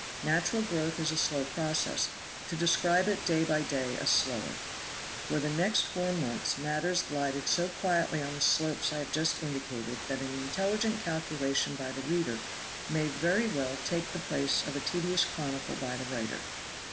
Natural growth is a slow process, to describe it day by day a slower. For the next four months matters glided so quietly on the slopes I have just indicated that an intelligent calculation by the reader may very well take the place of a tedious chronicle by the writer.